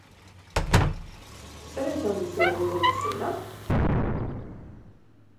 Zer esan duzu egingo duzula?